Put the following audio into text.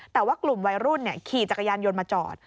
แต่ว่ากลุ่มวัยรุ่นขี่จักรยานยนต์มาจอด